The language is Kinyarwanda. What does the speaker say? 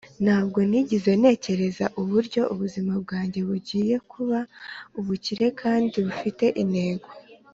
ntabwo nigeze ntekereza uburyo ubuzima bwanjye bugiye kuba ubukire kandi bufite intego,